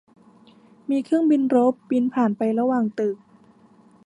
มีเครื่องบินรบบินผ่านไประหว่างตึก